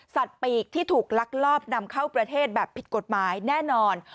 ปีกที่ถูกลักลอบนำเข้าประเทศแบบผิดกฎหมายแน่นอน